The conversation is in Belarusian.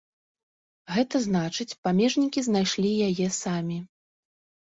Гэта значыць, памежнікі знайшлі яе самі.